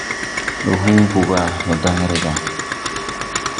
Ndɔ hu ga ɗa ndɔ daŋ re gà.